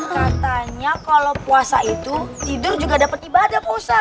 katanya kalau puasa itu tidur juga dapat ibadah puasa